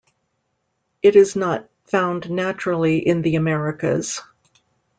It is not found naturally in the Americas.